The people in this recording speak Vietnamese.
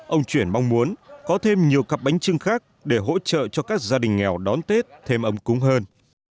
ông chuyển mong muốn có thêm nhiều cặp bánh trưng khác để hỗ trợ cho các gia đình nghèo đón tết thêm ấm cúng hơn